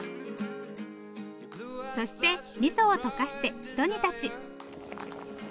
そして味噌を溶かして一煮立ち。